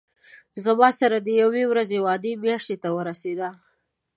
زما سره د یوې ورځې وعده میاشتې ته ورسېده.